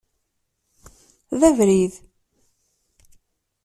D abrid.